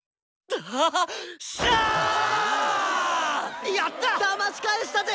だましかえしたぜ！